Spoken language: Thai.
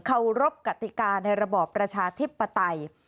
เคารพกติกาในระบอบประชาธิปไตย